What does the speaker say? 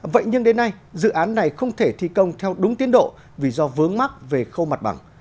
vậy nhưng đến nay dự án này không thể thi công theo đúng tiến độ vì do vướng mắc về khâu mặt bằng